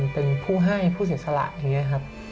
เหมือนผู้ไห้ผู้สินสระอย่างนี้ครับ